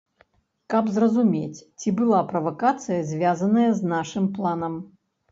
Каб зразумець, ці была правакацыя звязаная з нашым планам.